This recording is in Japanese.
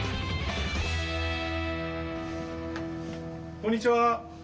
こんにちは。